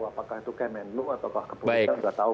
apakah itu kemenlu atau kepolisian sudah tahu